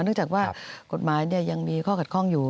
เนื่องจากว่ากฎหมายยังมีข้อขัดข้องอยู่